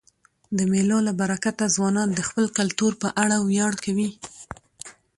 د مېلو له برکته ځوانان د خپل کلتور په اړه ویاړ کوي.